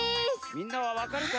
みんなはわかるかな？